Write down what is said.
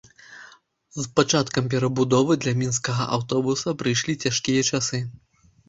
З пачаткам перабудовы для мінскага аўтобуса прыйшлі цяжкія часы.